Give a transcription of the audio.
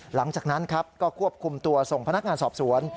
หลังจากนั้นครับก็ควบคุมตัวส่งพนักงานสอบสวน